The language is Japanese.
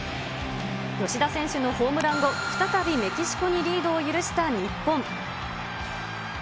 吉田選手のホームラン後、再びメキシコにリードを許した日本。